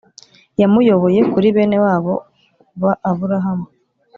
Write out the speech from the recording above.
yamuyoboye kuri bene wabo ba Aburahamu